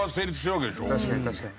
確かに確かに。